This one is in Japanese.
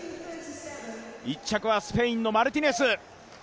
１着はスペインのマルティネス。